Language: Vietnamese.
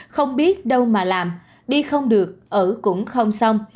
không biết đâu mà làm đi không được ở cũng không xong